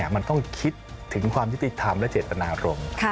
มันต้องคิดถึงความยุติธรรมและเจตนารมณ์